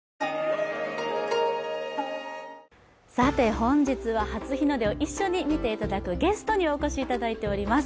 本日は初日の出を一緒に見ていただくゲストにお越しいただいております。